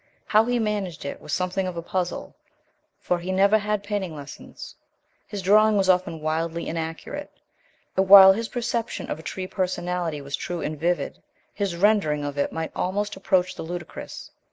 How he managed it was something of a puzzle, for he never had painting lessons, his drawing was often wildly inaccurate, and, while his perception of a Tree Personality was true and vivid, his rendering of it might almost approach the ludicrous.